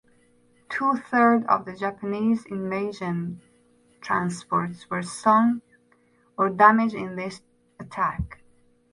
Two thirds of the Japanese invasion transports were sunk or damaged in this attack.